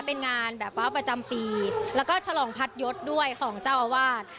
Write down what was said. เป็นงานแบบว่าประจำปีแล้วก็ฉลองพัดยศด้วยของเจ้าอาวาส